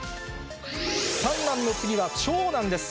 三男の次は長男です。